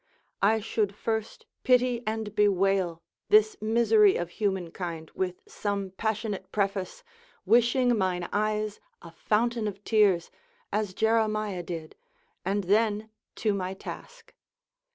I should first pity and bewail this misery of human kind with some passionate preface, wishing mine eyes a fountain of tears, as Jeremiah did, and then to my task.